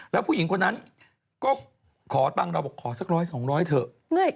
แล้วผู้หญิงคนนั้นก็ขอตังค์เราบอกขอสัก๑๐๐๒๐๐เถอะ